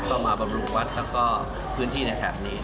เข้ามาบำรุงวัดและพื้นที่ในแถบนี้